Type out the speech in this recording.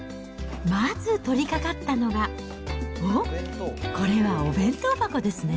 まず取りかかったのが、おっ、これはお弁当箱ですね。